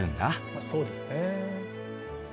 まあそうですねえ。